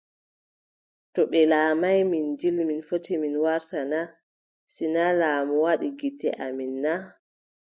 To ɓe laamaay Minjil mi fotti mi warta na ? Si naa laamu waɗa gite amin naa ?